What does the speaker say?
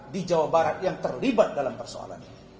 di jawa barat yang terlibat dalam persoalan ini